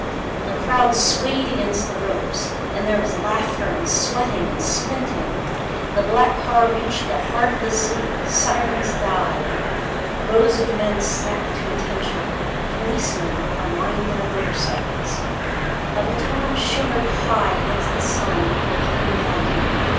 The crowd swayed against the ropes, and there was laughter and sweating and squinting. The black car reached the heart of the city. Sirens died. Rows of men snapped to attention. Policemen aligned their motorcycles. A baton shimmered high against the sun and came down.